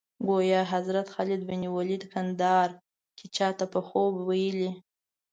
ګویا حضرت خالد بن ولید کندهار کې چا ته په خوب ویلي.